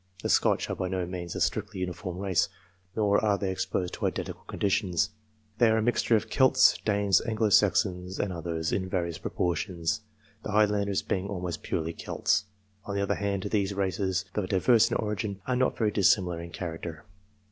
The Scotch are by no means a strictly uniform race, nor are they exposed to identical conditions. They are a mixture of Celts, Danes, Anglo Saxons, and others, in various proportions, the Highlanders being almost purely Celts. On the other hand, these races, though diverse in origin, are not very dissimilar in character.